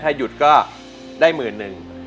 ถ้าหยุดก็ได้หมื่นหนึ่ง